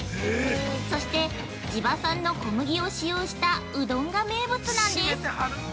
そして、地場産の小麦を使用したうどんが名物なんです。